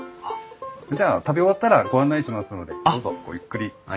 じゃあ食べ終わったらご案内しますのでどうぞごゆっくり。